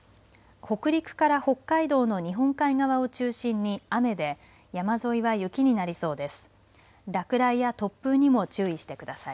北陸から北海道の日本海側を中心に雨で山沿いは雪になりそうです。